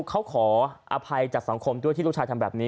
เขาขออภัยจากสังคมด้วยที่ลูกชายทำแบบนี้